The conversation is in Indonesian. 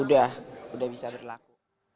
udah udah bisa berlaku